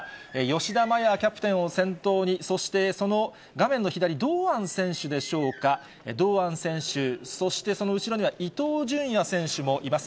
吉田麻也キャプテンを先頭に、そしてその画面の左、堂安選手でしょうか、堂安選手、そして、その後ろには伊東純也選手もいます。